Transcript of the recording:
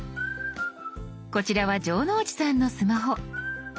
こちらは城之内さんのスマホ。